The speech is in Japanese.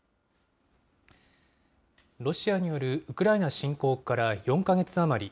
ロシアによるウクライナ侵攻から４か月余り。